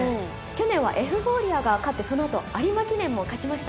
去年はエフフォーリアが勝ってその後有馬記念も勝ちましたね。